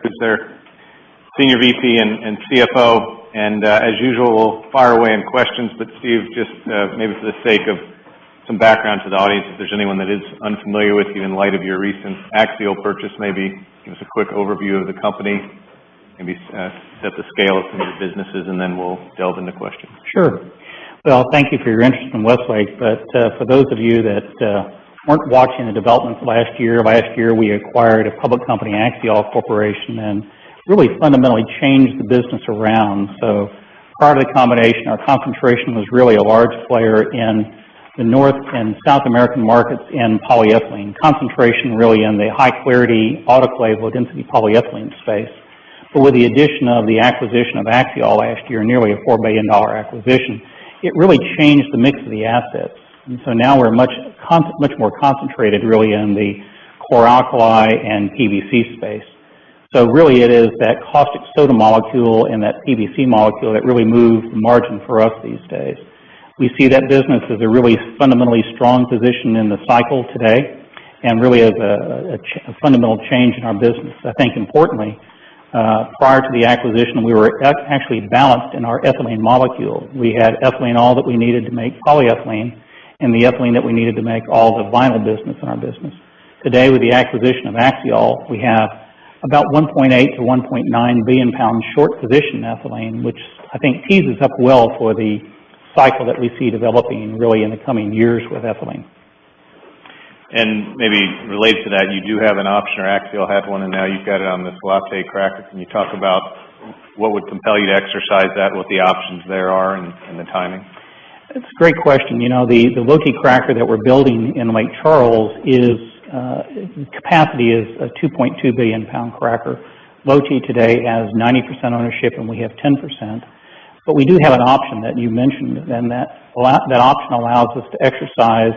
Steve Bender, Senior VP and CFO. As usual, we'll fire away in questions. Steve, just maybe for the sake of some background to the audience, if there's anyone that is unfamiliar with you in light of your recent Axiall purchase, maybe give us a quick overview of the company. Maybe set the scale of some of the businesses, then we'll delve into questions. Well, thank you for your interest in Westlake. For those of you that weren't watching the developments last year, last year we acquired a public company, Axiall Corporation, really fundamentally changed the business around. Prior to the combination, our concentration was really a large player in the North and South American markets in polyethylene. Concentration really in the high clarity, autoclave, low density polyethylene space. With the addition of the acquisition of Axiall last year, nearly a $4 billion acquisition, it really changed the mix of the assets. Now we're much more concentrated really in the chloralkali and PVC space. Really it is that caustic soda molecule and that PVC molecule that really moves the margin for us these days. We see that business as a really fundamentally strong position in the cycle today and really as a fundamental change in our business. I think importantly, prior to the acquisition, we were actually balanced in our ethylene molecule. We had ethylene, all that we needed to make polyethylene, and the ethylene that we needed to make all the vinyl business in our business. Today, with the acquisition of Axiall, we have about 1.8 to 1.9 billion pounds short position ethylene, which I think tees us up well for the cycle that we see developing really in the coming years with ethylene. Maybe related to that, you do have an option, or Axiall had one, now you've got it on this Lotte cracker. Can you talk about what would compel you to exercise that, what the options there are and the timing? It's a great question. The Lotte cracker that we're building in Lake Charles, capacity is a 2.2 billion pound cracker. Lotte today has 90% ownership and we have 10%. We do have an option that you mentioned, and that option allows us to exercise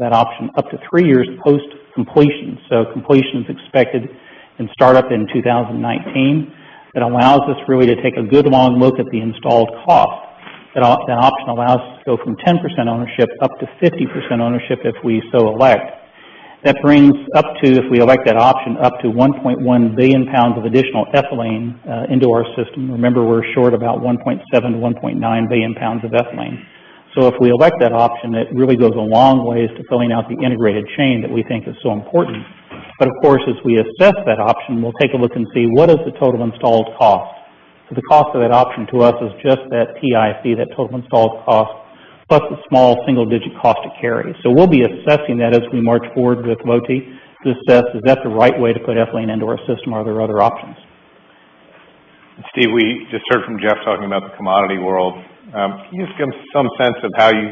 that option up to three years post-completion. Completion's expected in startup in 2019. It allows us really to take a good long look at the installed cost. That option allows us to go from 10% ownership up to 50% ownership if we so elect. That brings up to, if we elect that option, up to 1.1 billion pounds of additional ethylene into our system. Remember, we're short about 1.7 billion-1.9 billion pounds of ethylene. If we elect that option, it really goes a long ways to filling out the integrated chain that we think is so important. Of course, as we assess that option, we'll take a look and see what is the total installed cost. The cost of that option to us is just that TIC, that total installed cost, plus a small single-digit cost to carry. We'll be assessing that as we march forward with Lotte to assess, is that the right way to put ethylene into our system? Are there other options? Steve, we just heard from Jeff talking about the commodity world. Can you just give some sense of how you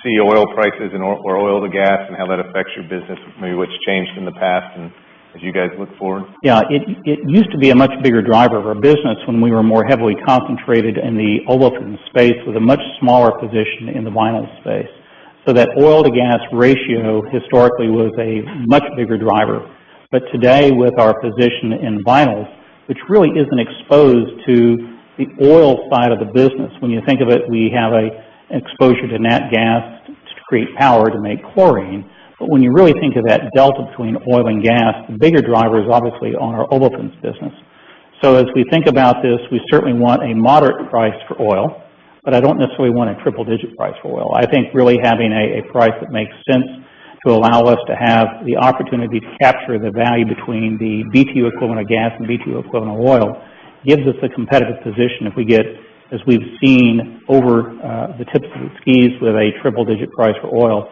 see oil prices or oil to gas and how that affects your business? Maybe what's changed in the past and as you guys look forward? Yeah. It used to be a much bigger driver of our business when we were more heavily concentrated in the olefins space with a much smaller position in the vinyls space. That oil to gas ratio historically was a much bigger driver. Today, with our position in vinyls, which really isn't exposed to the oil side of the business. When you think of it, we have an exposure to natural gas to create power to make chlorine. When you really think of that delta between oil and gas, the bigger driver is obviously on our olefins business. As we think about this, we certainly want a moderate price for oil, but I don't necessarily want a triple-digit price for oil. I think really having a price that makes sense to allow us to have the opportunity to capture the value between the BTU equivalent of gas and BTU equivalent of oil gives us a competitive position. If we get, as we've seen over the tips of the skis with a triple digit price for oil,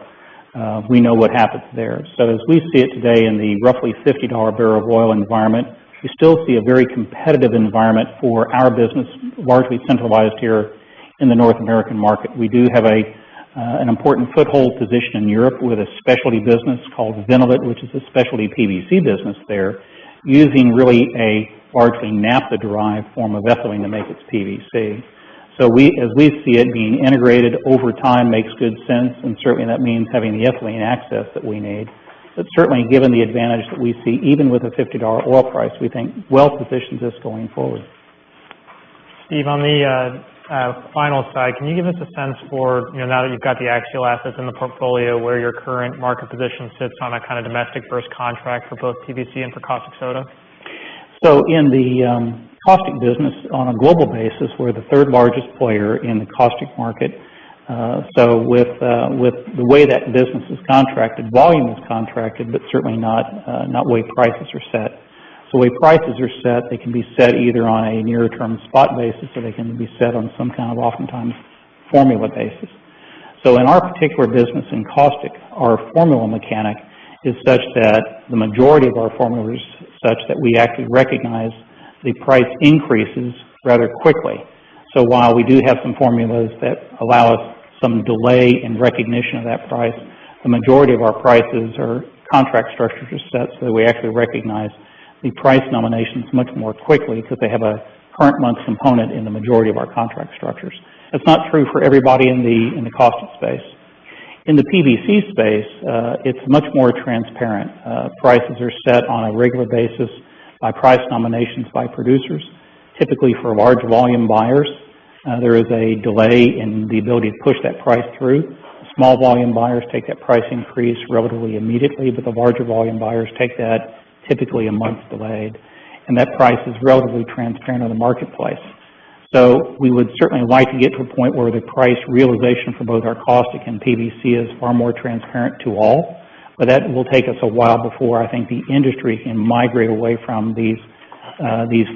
we know what happens there. As we see it today in the roughly $50 barrel of oil environment, we still see a very competitive environment for our business, largely centralized here in the North American market. We do have an important foothold position in Europe with a specialty business called Vinnolit, which is a specialty PVC business there, using really a largely naphtha-derived form of ethylene to make its PVC. As we see it, being integrated over time makes good sense, and certainly that means having the ethylene access that we need. Certainly given the advantage that we see, even with a $50 oil price, we think well positions us going forward. Steve, on the vinyls side, can you give us a sense for, now that you've got the Axiall assets in the portfolio, where your current market position sits on a kind of domestic first contract for both PVC and for caustic soda? In the caustic business, on a global basis, we're the third largest player in the caustic market. With the way that business is contracted, volume is contracted, but certainly not the way prices are set. The way prices are set, they can be set either on a near-term spot basis, or they can be set on some kind of oftentimes formula basis. In our particular business in caustic, our formula mechanic is such that the majority of our formula is such that we actually recognize the price increases rather quickly. While we do have some formulas that allow us some delay in recognition of that price, the majority of our prices or contract structures are set so that we actually recognize the price nominations much more quickly because they have a current month component in the majority of our contract structures. That's not true for everybody in the caustic space. In the PVC space, it's much more transparent. Prices are set on a regular basis by price nominations by producers. Typically for large volume buyers, there is a delay in the ability to push that price through. Small volume buyers take that price increase relatively immediately, but the larger volume buyers take that typically a month delayed, and that price is relatively transparent on the marketplace. We would certainly like to get to a point where the price realization for both our caustic and PVC is far more transparent to all, but that will take us a while before I think the industry can migrate away from these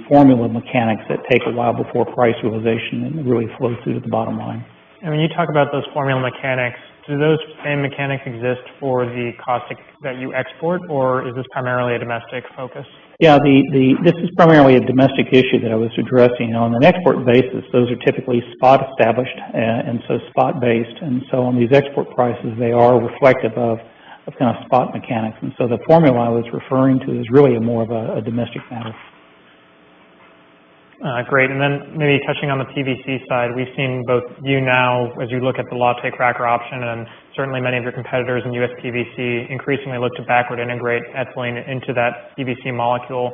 formula mechanics that take a while before price realization and really flow through to the bottom line. When you talk about those formula mechanics, do those same mechanics exist for the caustic that you export, or is this primarily a domestic focus? This is primarily a domestic issue that I was addressing. On an export basis, those are typically spot established, and so spot based. On these export prices, they are reflective of spot mechanics. The formula I was referring to is really more of a domestic matter. Great. Maybe touching on the PVC side, we've seen both you now as you look at the Lotte cracker option, and certainly many of your competitors in U.S. PVC increasingly look to backward integrate ethylene into that PVC molecule.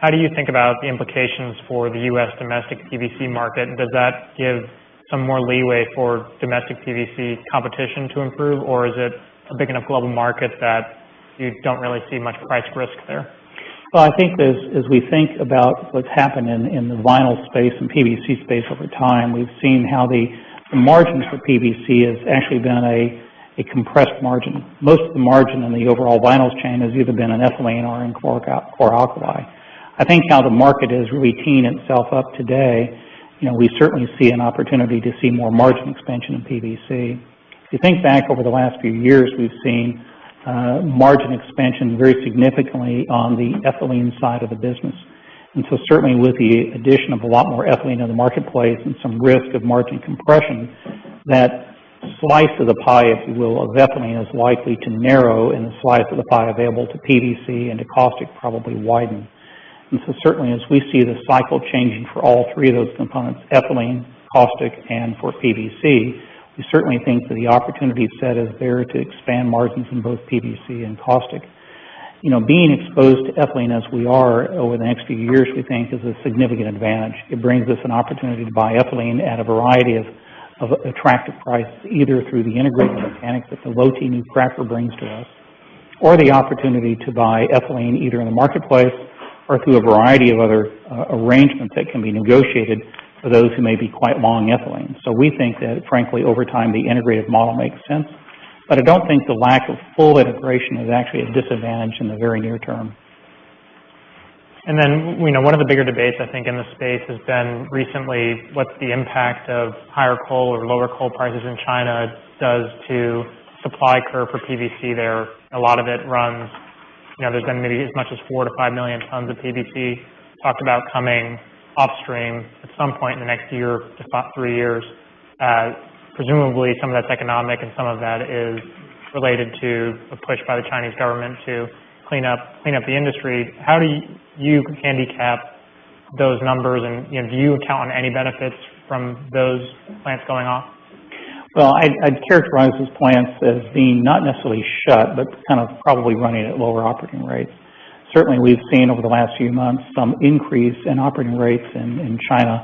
How do you think about the implications for the U.S. domestic PVC market? Does that give some more leeway for domestic PVC competition to improve, or is it a big enough global market that you don't really see much price risk there? Well, I think as we think about what's happened in the vinyl space and PVC space over time, we've seen how the margin for PVC has actually been a compressed margin. Most of the margin in the overall vinyl chain has either been in ethylene or in chloralkali. I think how the market has really tuned itself up today. We certainly see an opportunity to see more margin expansion in PVC. If you think back over the last few years, we've seen margin expansion very significantly on the ethylene side of the business. Certainly with the addition of a lot more ethylene in the marketplace and some risk of margin compression, that slice of the pie, if you will, of ethylene is likely to narrow and the slice of the pie available to PVC and to caustic probably widen. Certainly as we see the cycle changing for all three of those components, ethylene, caustic, and for PVC, we certainly think that the opportunity set is there to expand margins in both PVC and caustic. Being exposed to ethylene as we are over the next few years, we think is a significant advantage. It brings us an opportunity to buy ethylene at a variety of attractive prices, either through the integrated mechanics that the Lotte new cracker brings to us, or the opportunity to buy ethylene either in the marketplace or through a variety of other arrangements that can be negotiated for those who may be quite long ethylene. We think that frankly, over time, the integrated model makes sense. I don't think the lack of full integration is actually a disadvantage in the very near term. One of the bigger debates, I think in this space has been recently, what's the impact of higher coal or lower coal prices in China does to supply curve for PVC there? A lot of it runs. There's been maybe as much as four to five million tons of PVC talked about coming upstream at some point in the next year to three years. Presumably some of that's economic and some of that is related to a push by the Chinese government to clean up the industry. How do you handicap those numbers? Do you count on any benefits from those plants going off? Well, I'd characterize those plants as being not necessarily shut, but kind of probably running at lower operating rates. Certainly, we've seen over the last few months some increase in operating rates in China.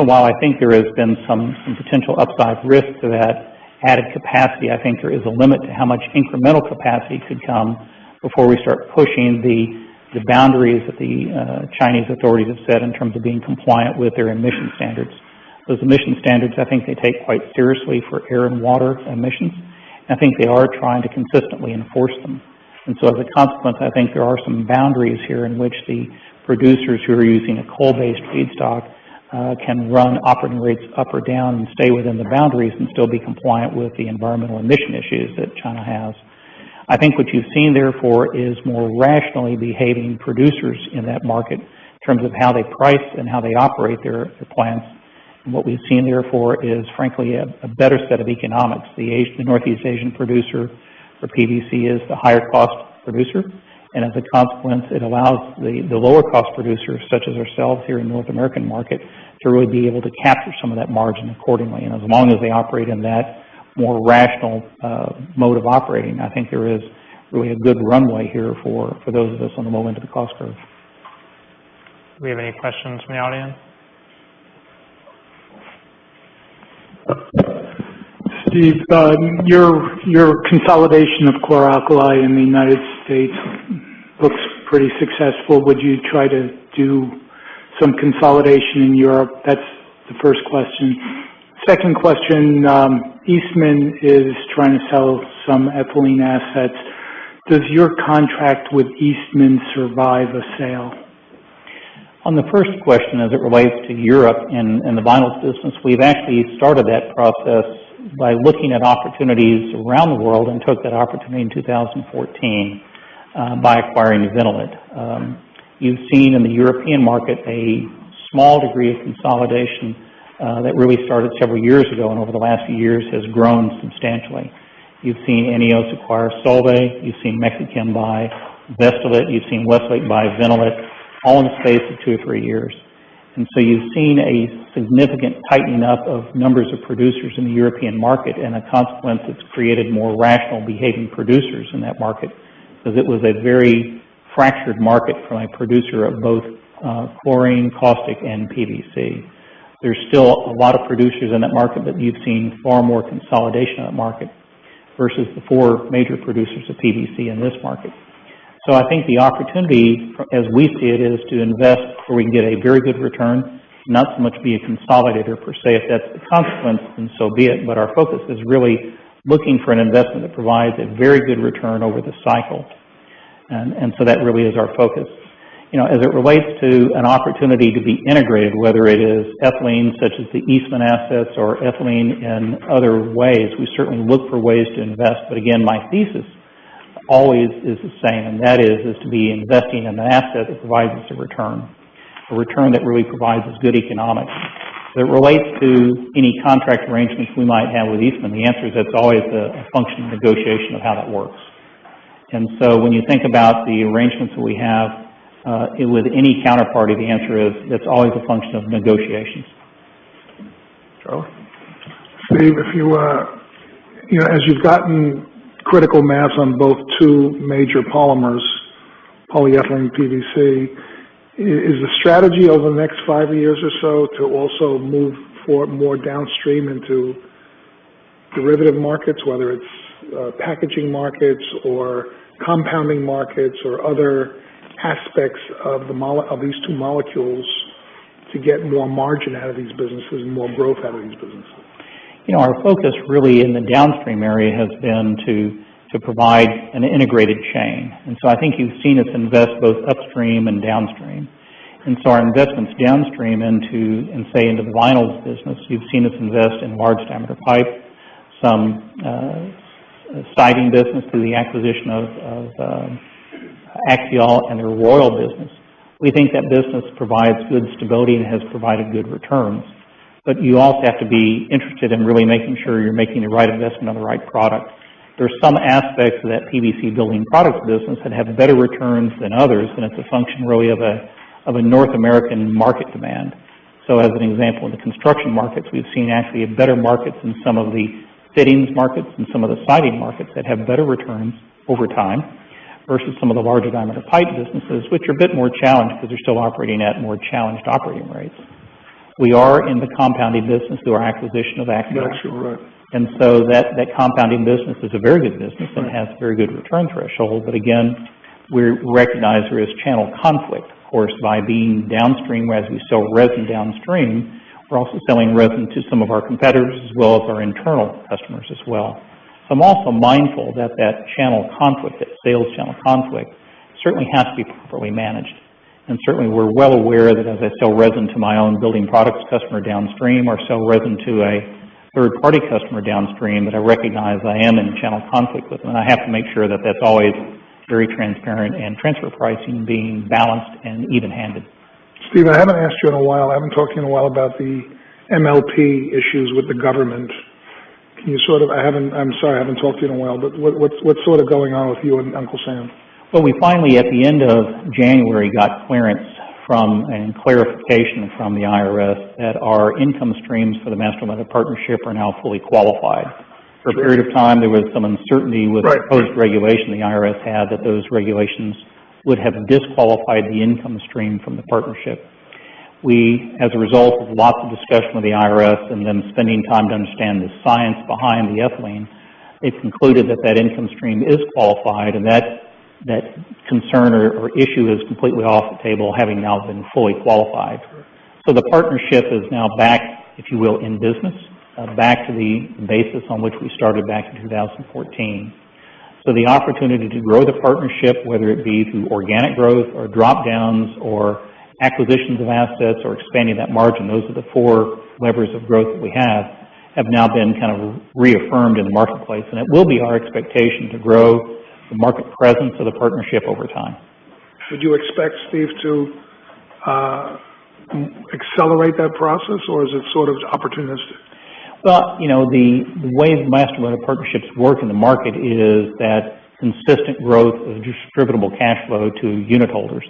While I think there has been some potential upside risk to that added capacity, I think there is a limit to how much incremental capacity could come before we start pushing the boundaries that the Chinese authorities have set in terms of being compliant with their emission standards. Those emission standards, I think they take quite seriously for air and water emissions, and I think they are trying to consistently enforce them. As a consequence, I think there are some boundaries here in which the producers who are using a coal-based feedstock can run operating rates up or down and stay within the boundaries and still be compliant with the environmental emission issues that China has. I think what you've seen, therefore, is more rationally behaving producers in that market in terms of how they price and how they operate their plants. What we've seen, therefore, is frankly a better set of economics. The Northeast Asian producer for PVC is the higher cost producer, and as a consequence, it allows the lower cost producers, such as ourselves here in the North American market, to really be able to capture some of that margin accordingly. As long as they operate in that more rational mode of operating, I think there is really a good runway here for those of us on the low end of the cost curve. Do we have any questions from the audience? Steve, your consolidation of chloralkali in the U.S. looks pretty successful. Would you try to do some consolidation in Europe? That's the first question. Second question. Eastman is trying to sell some ethylene assets. Does your contract with Eastman survive a sale? On the first question, as it relates to Europe and the vinyls business, we've actually started that process by looking at opportunities around the world and took that opportunity in 2014 by acquiring Vinnolit. You've seen in the European market a small degree of consolidation that really started several years ago, and over the last few years has grown substantially. You've seen INEOS acquire Solvay, you've seen Mexichem buy Vestolit, you've seen Westlake buy Vinnolit, all in the space of two or three years. You've seen a significant tightening up of numbers of producers in the European market, and a consequence that's created more rational behaving producers in that market, because it was a very fractured market from a producer of both chlorine, caustic, and PVC. There's still a lot of producers in that market, but you've seen far more consolidation in that market versus the four major producers of PVC in this market. I think the opportunity, as we see it, is to invest where we can get a very good return, not so much be a consolidator per se. If that's the consequence, then so be it. Our focus is really looking for an investment that provides a very good return over the cycle. That really is our focus. As it relates to an opportunity to be integrated, whether it is ethylene, such as the Eastman assets or ethylene in other ways, we certainly look for ways to invest. Again, my thesis always is the same, and that is to be investing in an asset that provides us a return. A return that really provides us good economics. As it relates to any contract arrangements we might have with Eastman, the answer is that's always a function of negotiation of how that works. When you think about the arrangements that we have, with any counterparty, the answer is, it's always a function of negotiations. Charles? Steve, as you've gotten critical mass on both two major polymers, polyethylene, PVC, is the strategy over the next five years or so to also move more downstream into derivative markets, whether it's packaging markets or compounding markets or other aspects of these two molecules to get more margin out of these businesses and more growth out of these businesses? Our focus really in the downstream area has been to provide an integrated chain. I think you've seen us invest both upstream and downstream. Our investments downstream into, and say into the vinyls business, you've seen us invest in large diameter pipe, some siding business through the acquisition of Axiall and their Royal business. We think that business provides good stability and has provided good returns. You also have to be interested in really making sure you're making the right investment on the right product. There's some aspects of that PVC building products business that have better returns than others, and it's a function really of a North American market demand. As an example, in the construction markets, we've seen actually a better markets in some of the fittings markets and some of the siding markets that have better returns over time versus some of the larger diameter pipe businesses, which are a bit more challenged because they're still operating at more challenged operating rates. We are in the compounding business through our acquisition of Axiall. Axiall, right. That compounding business is a very good business. Right Has very good return threshold. Again, we recognize there is channel conflict, of course, by being downstream as we sell resin downstream. We're also selling resin to some of our competitors as well as our internal customers as well. I'm also mindful that that channel conflict, that sales channel conflict, certainly has to be properly managed. Certainly we're well aware that as I sell resin to my own building products customer downstream, or sell resin to a third-party customer downstream, that I recognize I am in a channel conflict with them. I have to make sure that that's always very transparent and transfer pricing being balanced and even-handed. Steve, I haven't asked you in a while. I haven't talked to you in a while about the MLP issues with the government. I'm sorry I haven't talked to you in a while, but what's going on with you and Uncle Sam? We finally, at the end of January, got clearance from and clarification from the IRS that our income streams for the master limited partnership are now fully qualified. For a period of time, there was some uncertainty with- Right A proposed regulation the IRS had that those regulations would have disqualified the income stream from the partnership. We, as a result of lots of discussion with the IRS and them spending time to understand the science behind the ethylene, it's concluded that that income stream is qualified and that concern or issue is completely off the table, having now been fully qualified. Sure. The partnership is now back, if you will, in business. Back to the basis on which we started back in 2014. The opportunity to grow the partnership, whether it be through organic growth or drop-downs or acquisitions of assets or expanding that margin, those are the four levers of growth that we have now been kind of reaffirmed in the marketplace. It will be our expectation to grow the market presence of the partnership over time. Would you expect, Steve, to accelerate that process, or is it sort of opportunistic? The way master limited partnerships work in the market is that consistent growth of distributable cash flow to unitholders.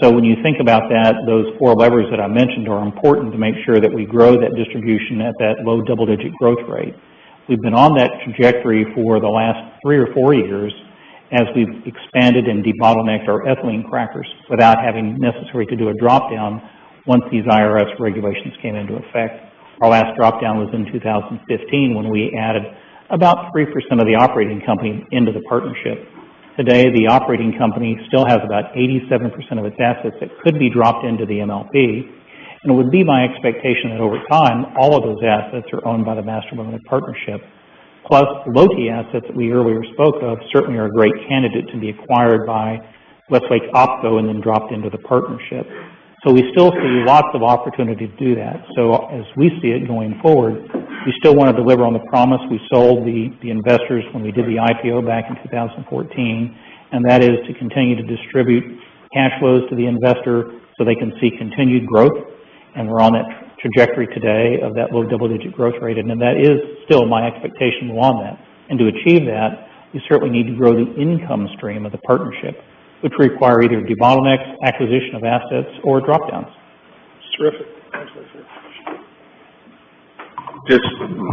When you think about that, those four levers that I mentioned are important to make sure that we grow that distribution at that low double-digit growth rate. We've been on that trajectory for the last three or four years as we've expanded and debottlenecked our ethylene crackers without having necessary to do a drop-down once these IRS regulations came into effect. Our last drop-down was in 2015 when we added about 3% of the operating company into the partnership. Today, the operating company still has about 87% of its assets that could be dropped into the MLP, and it would be my expectation that over time, all of those assets are owned by the master limited partnership. Lotte assets that we earlier spoke of certainly are a great candidate to be acquired by Westlake OpCo and then dropped into the partnership. We still see lots of opportunity to do that. As we see it going forward, we still want to deliver on the promise we sold the investors when we did the IPO back in 2014, and that is to continue to distribute cash flows to the investor so they can see continued growth. We're on that trajectory today of that low double-digit growth rate. That is still my expectation to go on that. To achieve that, you certainly need to grow the income stream of the partnership, which require either debottlenecks, acquisition of assets, or drop-downs. Terrific. Just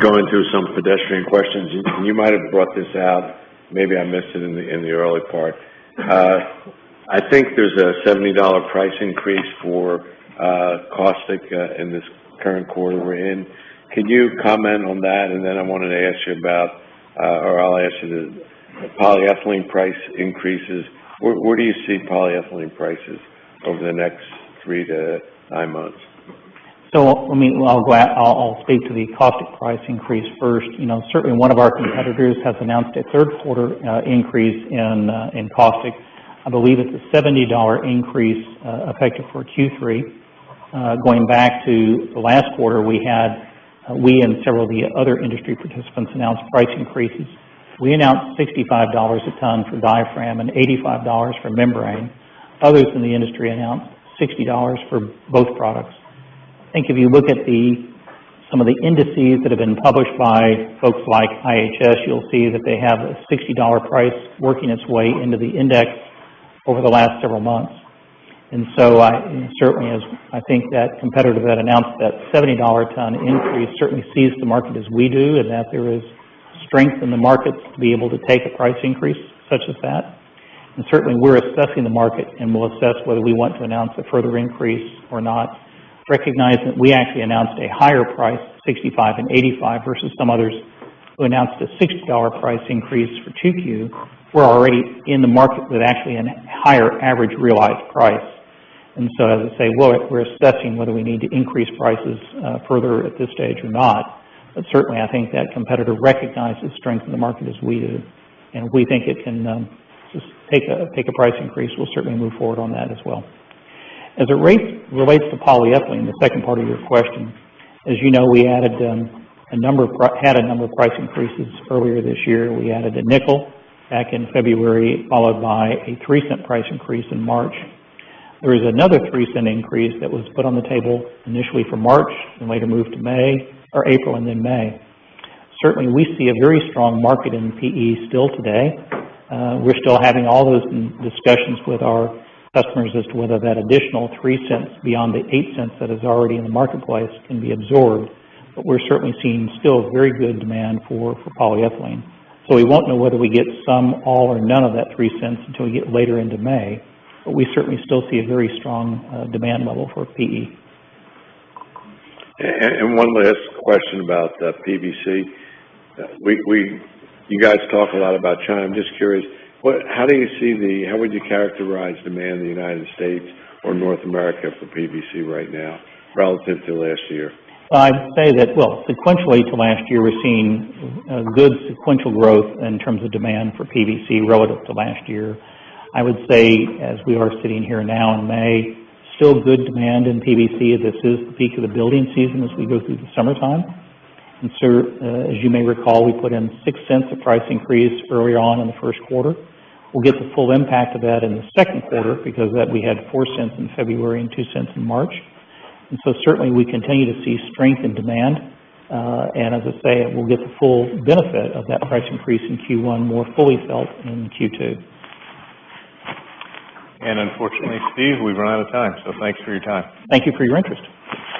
going through some pedestrian questions. You might have brought this out. Maybe I missed it in the early part. I think there's a $70 price increase for caustic in this current quarter we're in. Can you comment on that? I wanted to ask you about, or I'll ask you the polyethylene price increases. Where do you see polyethylene prices over the next three to nine months? I'll speak to the caustic price increase first. Certainly, one of our competitors has announced a third quarter increase in caustic. I believe it's a $70 increase effective for Q3. Going back to last quarter, we and several of the other industry participants announced price increases. We announced $65 a ton for diaphragm and $85 for membrane. Others in the industry announced $60 for both products. I think if you look at some of the indices that have been published by folks like IHS, you'll see that they have a $60 price working its way into the index over the last several months. Certainly, I think that competitor that announced that $70 a ton increase certainly sees the market as we do, and that there is strength in the markets to be able to take a price increase such as that. Certainly, we're assessing the market, and we'll assess whether we want to announce a further increase or not. Recognize that we actually announced a higher price, $65 and $85, versus some others who announced a $60 price increase for 2Q. We're already in the market with actually a higher average realized price. As I say, we're assessing whether we need to increase prices further at this stage or not. Certainly, I think that competitor recognizes strength in the market as we do, and we think it can just take a price increase. We'll certainly move forward on that as well. As it relates to polyethylene, the second part of your question, as you know, we had a number of price increases earlier this year. We added a $0.05 back in February, followed by a $0.03 price increase in March. There is another $0.03 increase that was put on the table initially for March and later moved to April and then May. Certainly, we see a very strong market in PE still today. We're still having all those discussions with our customers as to whether that additional $0.03 beyond the $0.08 that is already in the marketplace can be absorbed. We're certainly seeing still very good demand for polyethylene. We won't know whether we get some, all, or none of that $0.03 until we get later into May. We certainly still see a very strong demand level for PE. One last question about PVC. You guys talk a lot about China. I'm just curious, how would you characterize demand in the United States or North America for PVC right now relative to last year? I'd say that, sequentially to last year, we're seeing good sequential growth in terms of demand for PVC relative to last year. I would say, as we are sitting here now in May, still good demand in PVC as this is the peak of the building season as we go through the summertime. As you may recall, we put in $0.06 of price increase early on in the first quarter. We'll get the full impact of that in the second quarter because we had $0.04 in February and $0.02 in March. Certainly, we continue to see strength in demand. As I say, we'll get the full benefit of that price increase in Q1 more fully felt in Q2. Unfortunately, Steve, we've run out of time, so thanks for your time. Thank you for your interest.